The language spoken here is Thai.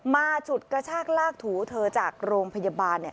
ฉุดกระชากลากถูเธอจากโรงพยาบาล